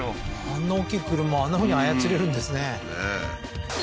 あんな大きい車あんなふうに操れるんですねねえ